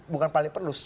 bukan paling perlu